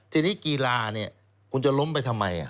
ทีนี้กีฬาเนี่ยคุณจะล้มไปทำไม